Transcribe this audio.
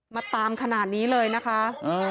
มาตามขนาดนี้เลยนะคะ